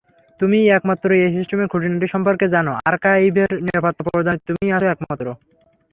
তুমিই একমাত্র এই সিস্টেমের খুঁটিনাটি সম্পর্কে জানো, আর্কাইভের নিরাপত্তা প্রদানে তুমিই আছো একমাত্র।